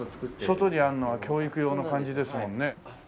外にあるのは教育用の感じですもんね。